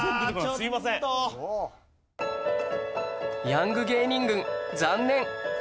ヤング芸人軍残念